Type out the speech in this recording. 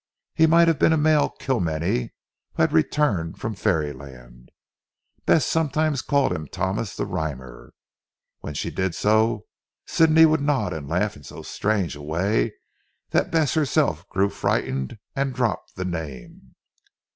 He might have been a male Kilmeny who had returned from fairy land. Bess sometimes called him Thomas the Rhymer. When she did so Sidney would nod and laugh in so strange a way, that Bess herself grew frightened, and dropped the name.